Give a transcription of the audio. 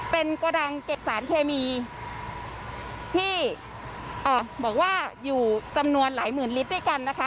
เป็นกระดังเก็บสารเคมีที่บอกว่าอยู่จำนวนหลายหมื่นลิตรด้วยกันนะคะ